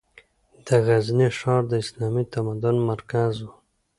د غزني ښار د اسلامي تمدن مرکز و.